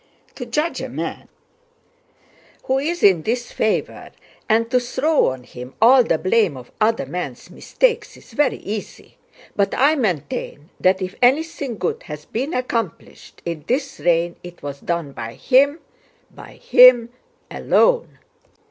To judge a man who is in disfavor and to throw on him all the blame of other men's mistakes is very easy, but I maintain that if anything good has been accomplished in this reign it was done by him, by him alone."